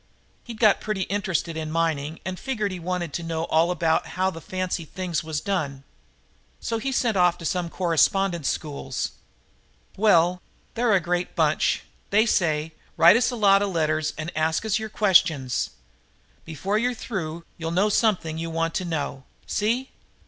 He'd got pretty interested in mining and figured he wanted to know all about how the fancy things was done. So he sent off to some correspondence schools. Well, they're a great bunch. They say: 'Write us a lot of letters and ask us your questions. Before you're through you'll know something you want to know.' See?"